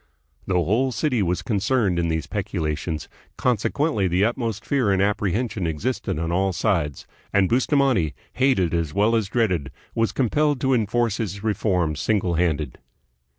The whole city was concerned in these peculations, conse quently the utmost fear and apprehension existed on all sides; and Bustamante, hated as well as dreaded, was compelled to enforce his reforms single handed.